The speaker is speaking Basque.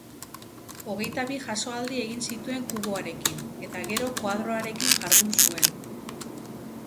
Hogeita bi jasoaldi egin zituen kuboarekin, eta gero koadroarekin jardun zuen.